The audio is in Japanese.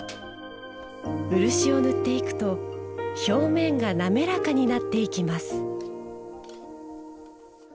漆を塗っていくと表面が滑らかになっていきます。